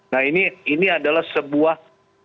nah ini adalah sebuah